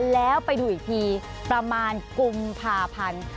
แล้วไปดูอีกทีประมาณกุมภาพันธ์